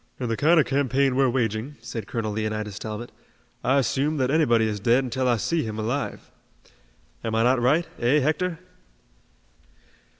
"In the kind of campaign we're waging," said Colonel Leonidas Talbot, "I assume that anybody is dead until I see him alive. Am I not right, eh, Hector?"